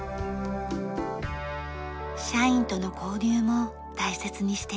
社員との交流も大切にしています。